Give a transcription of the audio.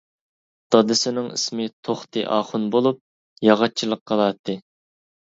دادىسىنىڭ ئىسمى توختى ئاخۇن بولۇپ، ياغاچچىلىق قىلاتتى.